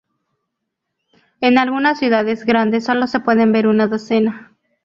En algunas ciudades grandes solo se puede ver una docena.